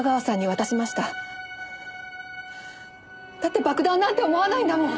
だって爆弾なんて思わないんだもん！